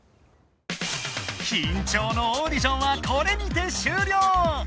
緊張のオーディションはこれにて終了！